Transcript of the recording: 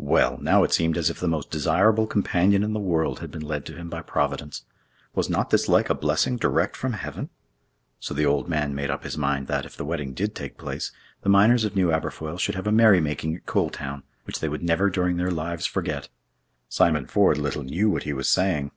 Well! now it seemed as if the most desirable companion in the world had been led to him by Providence. Was not this like a blessing direct from Heaven? So the old man made up his mind that, if the wedding did take place, the miners of New Aberfoyle should have a merry making at Coal Town, which they would never during their lives forget. Simon Ford little knew what he was saying!